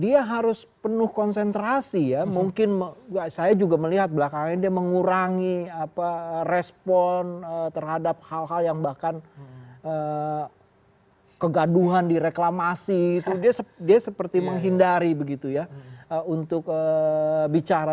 dia harus penuh konsentrasi ya mungkin saya juga melihat belakangan ini mengurangi respon terhadap hal hal yang bahkan kegaduhan di reklamasi itu dia seperti menghindari begitu ya untuk bicara